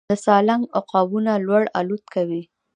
د سالنګ عقابونه لوړ الوت کوي